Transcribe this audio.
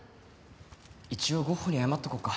一応ゴッホに謝っとこうか。